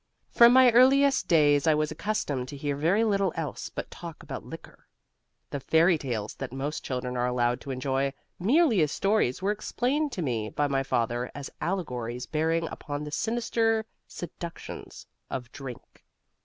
"From my earliest days I was accustomed to hear very little else but talk about liquor. The fairy tales that most children are allowed to enjoy merely as stories were explained to me by my father as allegories bearing upon the sinister seductions of drink.